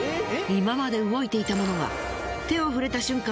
今まで動いていたものが手を触れた瞬間